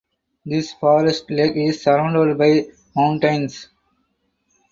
This forest lake is surrounded by mountains.